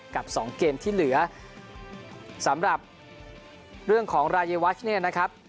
กับสองเกมที่เหลือสำหรับเรื่องของรายวัชเนี่ยนะครับ